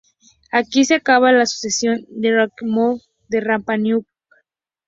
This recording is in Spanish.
Aquí se acaba la sucesión de los ariki mau de Rapa Nui.